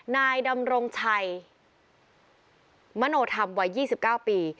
นายดำรงชัยมโนธรรมวัย๒๙ปี